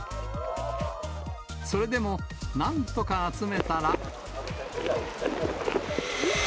それでもなんとか集めたら。